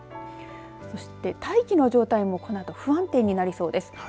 そして大気の状態も、このあと不安定になりそうです。